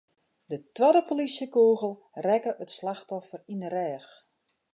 De twadde polysjekûgel rekke it slachtoffer yn 'e rêch.